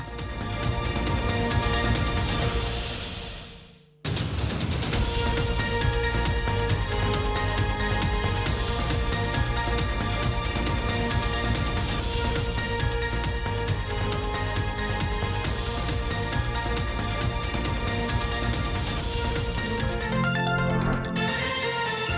โปรดติดตามตอนต่อไป